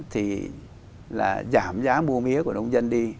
thì là giảm giá mua mía của nông dân đi